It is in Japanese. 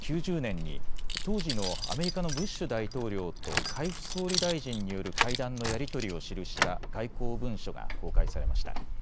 湾岸戦争直前の１９９０年に当時のアメリカのブッシュ大統領と海部総理大臣による会談のやり取りを記した外交文書が公開されました。